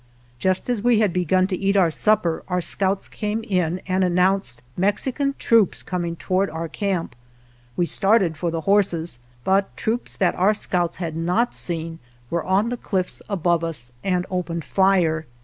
Just as we had begun to eat our supper our scouts came in and an nounced Mexican troops coming toward our camp. We started for the horses, but troops that our scouts had not seen were on the 79 GERONIMO cliffs above us, and opened fire.